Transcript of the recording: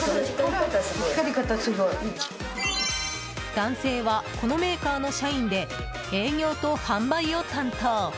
男性は、このメーカーの社員で営業と販売を担当。